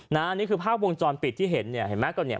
นี่คือภาพวงจรปิดที่เห็นเนี่ย